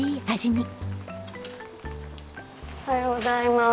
おはようございます。